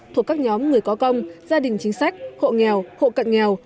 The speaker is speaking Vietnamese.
thuộc các nhóm người có công gia đình chính sách hộ nghèo hộ cận nghèo